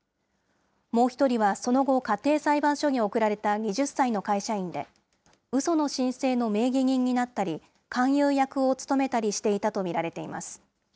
もう１人はその後、家庭裁判所に送られた２０歳の会社員で、うその申請の名義人になったり、勧誘役を務めたりしていたと見られています。